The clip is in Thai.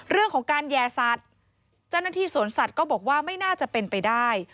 เรื่องของการแย่สัตว์เจ้าหน้าที่สวนสัตว์ก็บอกว่าไม่น่าจะเป็นไปได้